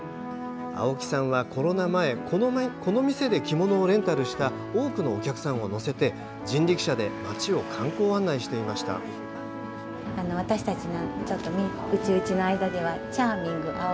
青木さんは、コロナ前この店で着物をレンタルした多くのお客さんを乗せて人力車で街を観光案内していました。